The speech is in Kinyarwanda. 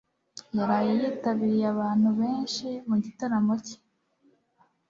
yaraye yitabiriye abantu benshi mu gitaramo cye